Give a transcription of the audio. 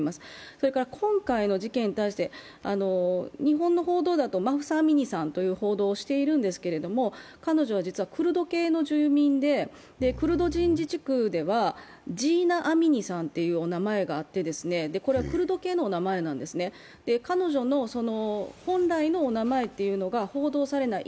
それから今回の事件に対して、日本の報道だと、マフサ・アミニさんと報道はしてるんですけれど彼女は実はクルド系の住民でクルド人の自治区ではジーナ・アミニさんというお名前があってこれはクルド系のお名前なんですね、彼女の本来の名前というのが報道されない。